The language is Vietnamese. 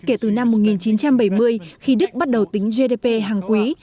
kể từ năm một nghìn chín trăm bảy mươi khi đức bắt đầu tính gdp hàng quý